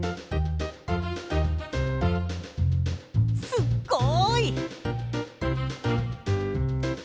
すっごい！